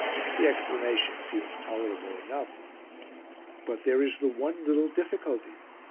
The explanation seems tolerable enough. But there is the one little difficulty.